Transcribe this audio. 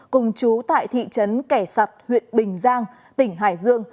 cùng chú tại thị trấn kẻ sặt huyện bình giang tỉnh hải dương